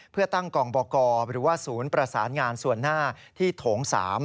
เพื่อตั้งกองบกหรือว่าศูนย์ประสานงานส่วนหน้าที่โถง๓